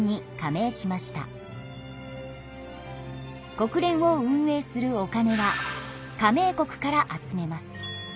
国連を運営するお金は加盟国から集めます。